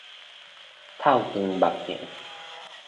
透光目鏡